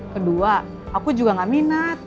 kedua aku juga gak minat